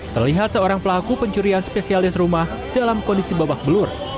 terlihat seorang pelaku pencurian spesialis rumah dalam kondisi babak belur